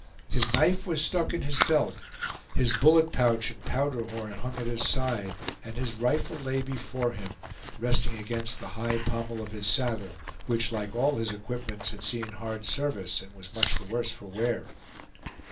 His knife was stuck in his belt; his bullet pouch and powder horn hung at his side, and his rifle lay before him, resting against the high pommel of his saddle, which, like all his equipments, had seen hard service, and was much the worse for wear.